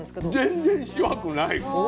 全然しわくない。